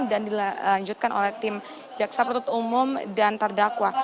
dan dilanjutkan oleh tim jaksa protot umum dan terdakwa